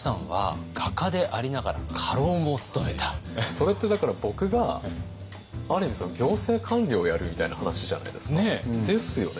それってだから僕がある意味行政官僚をやるみたいな話じゃないですか。ですよね？